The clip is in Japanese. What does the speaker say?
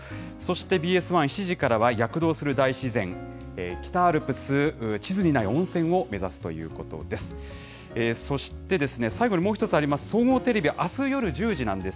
ＢＳ１、７時からは、躍動する大自然、北アルプス地図にない温泉を目指すということです。